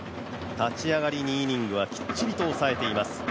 立ち上がり２イニングはきっちりと押さえています。